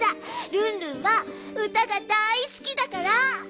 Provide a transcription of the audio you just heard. ルンルンはうたがだいすきだから。